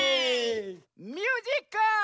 ミュージック。